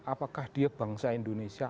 apakah dia bangsa indonesia